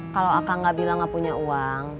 kalau aku gak bilang gak punya uang